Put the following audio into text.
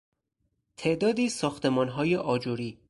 تعدادی ساختمانهای آجری